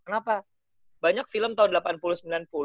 kenapa banyak film tahun delapan puluh sembilan puluh